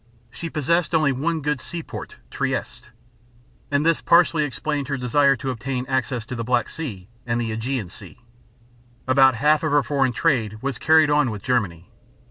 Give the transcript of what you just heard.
She possessed only one good seaport, Trieste (trĭ ĕst´), and this partly explained her desire to obtain access to the Black Sea and the Ægean Sea. About half of her foreign trade was carried on with Germany.